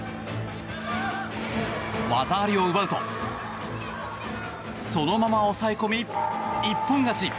技ありを奪うとそのまま押さえ込み、一本勝ち。